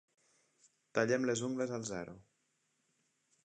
Tallem les ungles al zero.